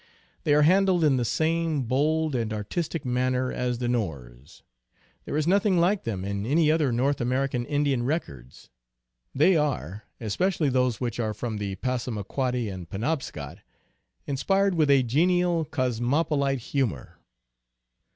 They are handled in the same bold and artistic manner as the Norse. There is nothing like them in any other North American Indian rec ords. They are, especially those which are from the Passamaquoddy and Penobscot, inspired with a genial cosmopolite humor.